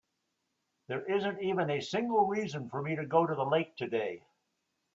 There isn't even a single reason for me to go to the lake today.